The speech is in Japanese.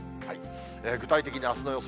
具体的にあすの予想